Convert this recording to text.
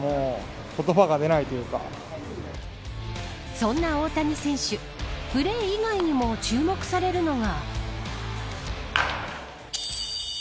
そんな大谷選手プレー以外にも注目されるのが。